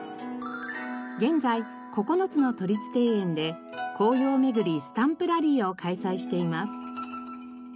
現在９つの都立庭園で紅葉めぐりスタンプラリーを開催しています。